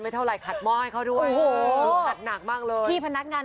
มีความสุขค่ะคุณผู้ชมล้างจาน